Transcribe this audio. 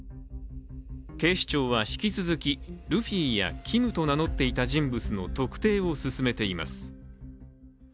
警視庁は引き続き、ルフィやＫｉｍと名乗っていた人物の特定を進めています。